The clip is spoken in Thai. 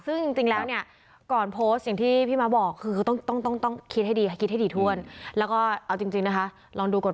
ซึ่งจริงแล้วเนี่ยก่อนโพสต์อย่างที่พี่ม้าบอกคือต้องคิดให้ดีครับ